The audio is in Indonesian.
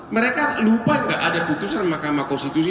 mereka lupa nggak ada putusan mahkamah konstitusi